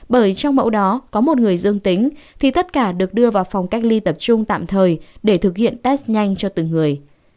bởi trong mẫu đó có một người dương tính thì tất cả được đưa vào phòng cách ly tập trung tạm thời để thực hiện test nhanh cho từng người